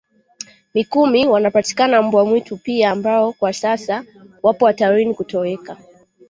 Mikumi wanapatikana mbwa mwitu pia ambao kwa sasa wapo hatarini kutoweka